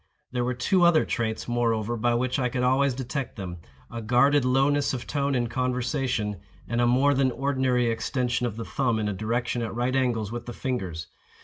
There were two other traits, moreover, by which I could always detect them: a guarded lowness of tone in conversation, and a more than ordinary extension of the thumb in a direction at right angles with the fingers.